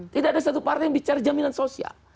tidak ada satu partai yang bicara jaminan sosial